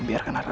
biar juga gitu